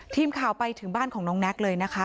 ทีมข่าวไปถึงบ้านของน้องแน็กเลยนะคะ